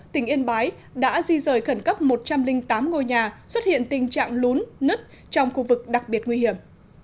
tỉnh yên bái đã di rời khẩn cấp một trăm linh tám ngôi nhà xuất hiện tình trạng lún nứt trong khu vực đặc biệt nguy hiểm